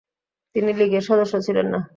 তিনি লীগের সদস্য ছিলেন না।